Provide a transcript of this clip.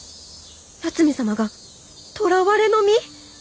八海サマがとらわれの身！？